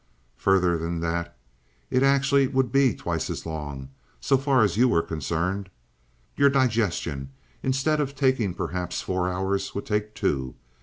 Further than that, it actually would be twice as long, so far as you were concerned. Your digestion, instead of taking perhaps four hours, would take two.